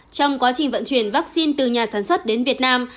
trong quá trình vận chuyển vaccine từ nhà sản xuất đến việt nam